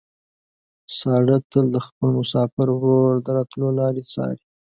ساره تل د خپل مسافر ورور د راتلو لارې څاري.